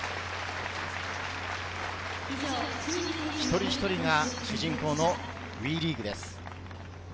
一人一人が主人公のＷＥリーグです。